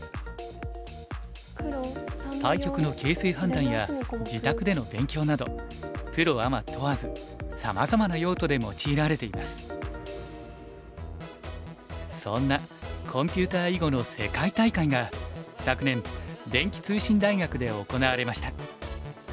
対局の形勢判断や自宅での勉強などプロアマ問わずそんなコンピュータ囲碁の世界大会が昨年電気通信大学で行われました。